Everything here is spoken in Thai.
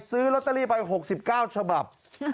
ซื้อลอตเตอรี่ไป๖๙ฉบับ